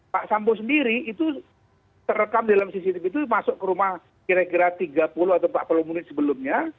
pak sambo sendiri itu terekam dalam cctv itu masuk ke rumah kira kira tiga puluh atau empat puluh menit sebelumnya